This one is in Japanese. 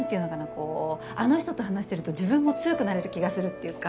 こうあの人と話してると自分も強くなれる気がするっていうか。